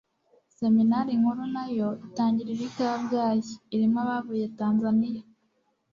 seminari nkuru nayo itangirira i kabgayi, irimo abavuye tanzaniya